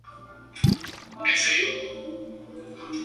Por orden del mismo Rivadavia, fue reemplazado por Zavaleta.